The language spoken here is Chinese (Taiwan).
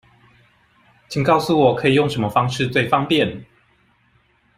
請告訴我可以用什麼方式最方便